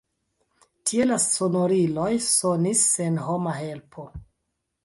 Tie la sonoriloj sonis sen homa helpo.